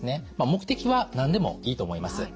目的は何でもいいと思います。